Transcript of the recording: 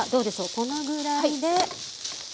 このぐらいで。